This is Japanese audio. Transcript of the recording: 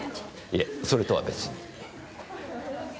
いえそれとは別に。